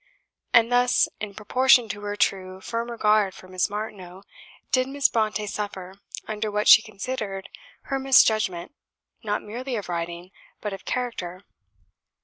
And thus, in proportion to her true, firm regard for Miss Martineau, did Miss Brontë suffer under what she considered her misjudgment not merely of writing, but of character.